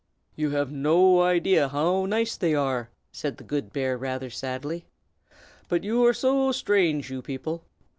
"You have no idea how nice they are," said the good bear, rather sadly. "But you are so strange, you people!